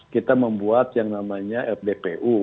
kita membuat yang namanya rdpu